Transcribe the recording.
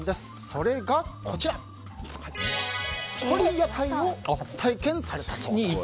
それが、ひとり屋台を初体験されたそうです。